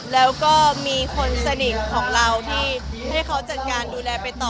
แล้วก็มีคนสนิทของเราที่ให้เขาจัดการดูแลไปต่อ